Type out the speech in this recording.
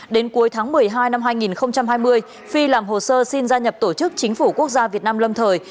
đến cuối tháng một mươi hai năm hai nghìn hai mươi phi làm hồ sơ xin gia nhập tổ chức chính phủ quốc gia việt nam lâm thời